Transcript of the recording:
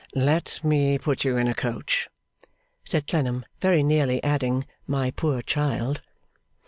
'Let me put you in a coach,' said Clennam, very nearly adding 'my poor child.